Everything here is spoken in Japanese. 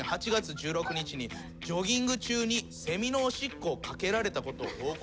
ジョギング中にセミのおしっこをかけられたことを報告。